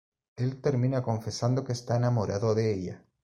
Él termina confesando que está enamorado de ella.